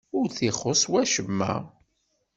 Ur t-ixuṣṣ wacemma?